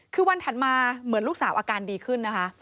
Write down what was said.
คือวันถัดมาเหมือนลูกสาวอาการดีขึ้นนะคะ